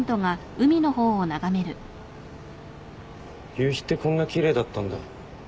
夕日ってこんな奇麗だったんだ。